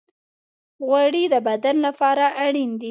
غوړې د بدن لپاره اړین دي.